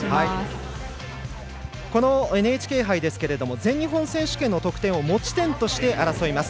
このＮＨＫ杯ですが全日本選手権の得点を持ち点として争います。